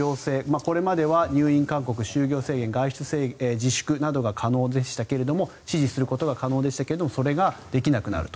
これまでは入院勧告、就業制限外出自粛などが可能でしたが指示することが可能でしたがそれができなくなると。